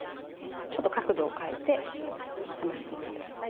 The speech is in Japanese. ちょっと角度を変えて冷ましていってください。